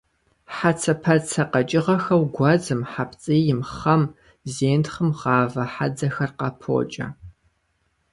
Хьэцэпэцэ къэкӀыгъэхэу гуэдзым, хьэпцӀийм, хъэм, зентхъым гъавэ хьэдзэхэр къапокӀэ.